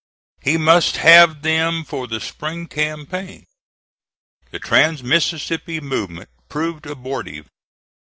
We must have them for the spring campaign. The trans Mississippi movement proved abortive.